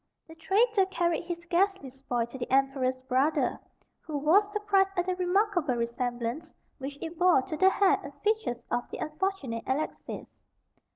The traitor carried his ghastly spoil to the Emperor's brother, who was surprised at the remarkable resemblance which it bore to the hair and features of the unfortunate Alexis.